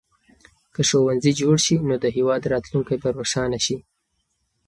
که ښوونځي جوړ شي نو د هېواد راتلونکی به روښانه شي.